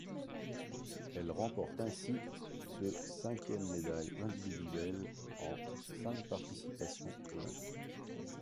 Elle remporte ainsi se cinquième médaille individuelle en cinq participations olympiques.